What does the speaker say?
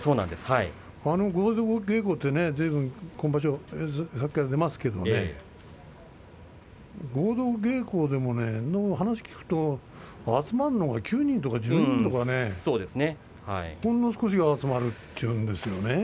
合同稽古はずいぶんありましたけど合同稽古は、でも話を聞くと集まるのは９人とか１０人とかほんの少しが集まると言うんですよね。